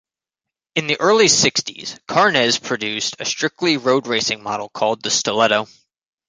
In the early Sixties, Carnes produced a strictly road-racing model called the Stiletto.